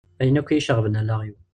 Ayen akk iyi-iceɣben allaɣ-iw.